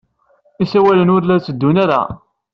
Isawalen ur la tteddun ara.